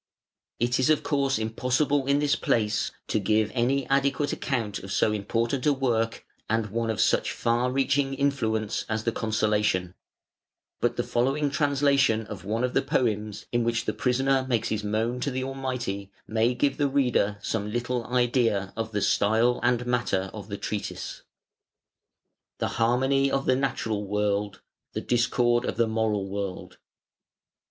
It is of course impossible in this place to give any adequate account of so important a work and one of such far reaching influence as the "Consolation" but the following translation of one of the poems in which the prisoner makes his moan to the Almighty may give the reader some little idea of the style and matter of the treatise. THE HARMONY OF THE NATURAL WORLD: THE DISCORD OF THE MORAL WORLD.